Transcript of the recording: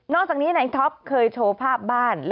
อกจากนี้นายท็อปเคยโชว์ภาพบ้าน